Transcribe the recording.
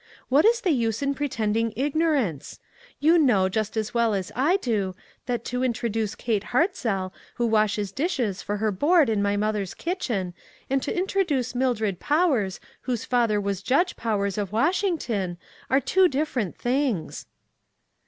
What is the use in pretending ignorance ? You know, just as well I do, that to introduce Kate 6O ONE COMMONPLACE DAY. Hartzell, who washes dishes for her board in my mother's kitchen, and to introduce Mildred Powers, whose father was Judge Powers, of Washington, are two different things."